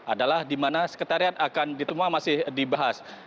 adalah di mana sekretariat akan ditemukan masih dibahas